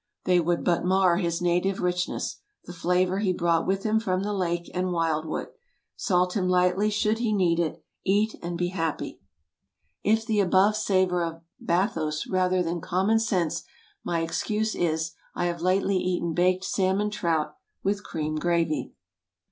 They would but mar his native richness—the flavor he brought with him from the lake and wild wood. Salt him lightly, should he need it, eat and be happy. If the above savor of bathos rather than "common sense," my excuse is, I have lately eaten baked salmon trout with cream gravy.